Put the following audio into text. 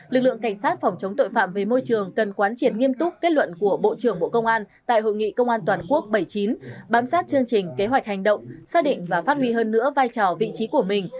lực lượng cảnh sát phòng chống tội phạm về môi trường cần quán triệt nghiêm túc kết luận của bộ trưởng bộ công an tại hội nghị công an toàn quốc bảy mươi chín bám sát chương trình kế hoạch hành động xác định và phát huy hơn nữa vai trò vị trí của mình